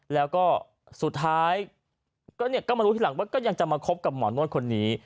แล้วก็สุดท้ายก็มารู้ทีหลังว่าก็ยังจะมาคบกับหมอนวดคนนี้